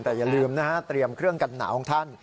แต่อย่าลืมนะฮะเตรียมเครื่องกันหนาวของท่าน